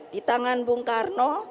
di tangan bung karno